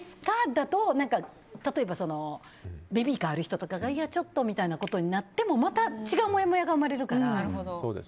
だと例えば、ベビーカーある人とかがいや、ちょっとみたいなことになっても違うもやもやが生まれるから。